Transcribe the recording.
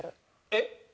えっ？